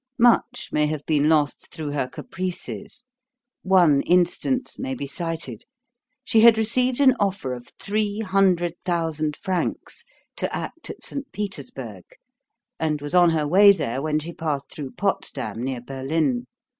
Much may have been lost through her caprices. One instance may be cited. She had received an offer of three hundred thousand francs to act at St. Petersburg, and was on her way there when she passed through Potsdam, near Berlin.